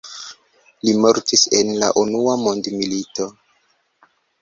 Li mortis en la unua mondmilito.